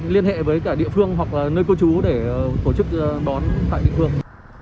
liên hệ với địa phương hoặc nơi cô chú để tổ chức đón tại địa phương